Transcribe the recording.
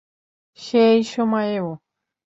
সেই সময়েও?